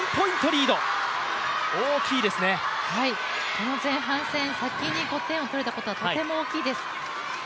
この前半戦、先に５点を取れたことはとても大きいです。